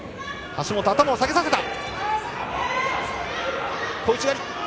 橋本、頭を下げさせた。